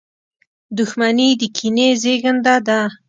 • دښمني د کینې زېږنده ده.